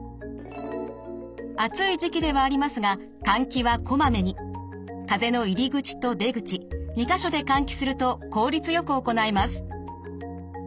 暑い時期ではありますが風の入り口と出口２か所で換気すると効率よく行えます。